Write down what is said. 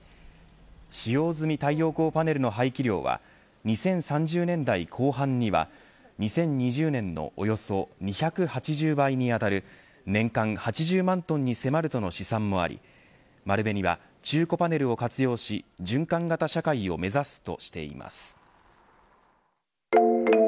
使用済み太陽光パネルの廃棄量は２０３０年代後半には２０２０年のおよそ２８０倍にあたる年間８０万トンに迫るとの試算もあり丸紅は、中古パネルを活用し循環型社会を目指すとしています。